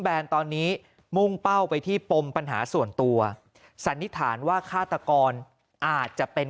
แนนตอนนี้มุ่งเป้าไปที่ปมปัญหาส่วนตัวสันนิษฐานว่าฆาตกรอาจจะเป็น